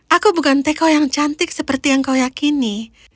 aku bukan teko yang cantik seperti yang kau yakini